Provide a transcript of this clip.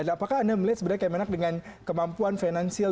apakah anda melihat sebenarnya kemenak dengan kemampuan finansial